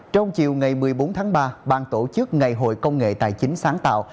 trong chiều ngày một mươi bốn tháng ba bang tổ chức ngày hội công nghệ tài chính sáng tạo